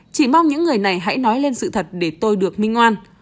chỉ mong những người này hãy nói lên sự thật để tôi được minh ngoan